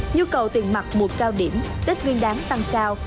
nhu cầu tiền mặt mùa cao điểm tết nguyên đáng tăng cao